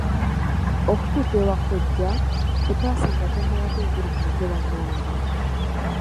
Okutuuka ewa kkojja, kye twasanga kyammalako enviiri ku mutwe bannange.